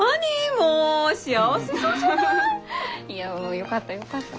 よかったよかった。